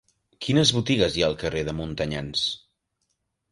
Quines botigues hi ha al carrer de Montanyans?